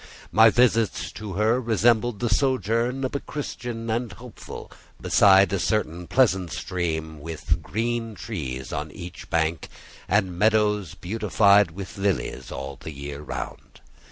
My visits to her resembled the sojourn of Christian and Hopeful beside a certain pleasant stream, with "green trees on each bank, and meadows beautified with lilies all the year round."